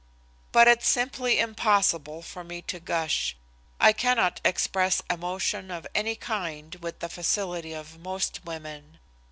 But it's simply impossible for me to gush. I cannot express emotion of any kind with the facility of most women.